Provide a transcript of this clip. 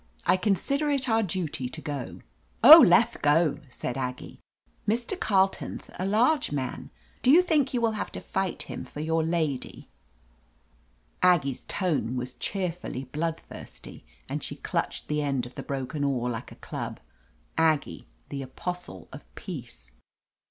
I con sider it our duty to go." "Oh, leth go !" said Aggie. "Mr. Carletonth a large man. Do you think you will have to fight him for your lady ?" Aggie's tone was 328 LETITIA CARBERRY cheerfully bloodthirsty, and she clutched the end of the broken oar like a club. Aggie, the apostle of peace